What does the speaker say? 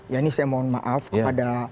ya ini saya mohon maaf kepada